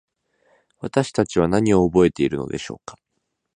私たちは何を覚えているのでしょうか。